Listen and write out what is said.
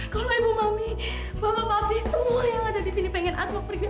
kalau ibu mami bapak pak fi semua yang ada di sini pengen asma pergi